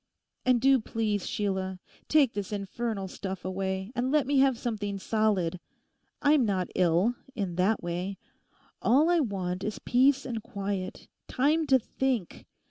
And do, please, Sheila, take this infernal stuff away, and let me have something solid. I'm not ill—in that way. All I want is peace and quiet, time to think.